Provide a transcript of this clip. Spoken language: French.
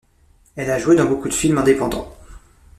Elle a joué dans beaucoup de films indépendants.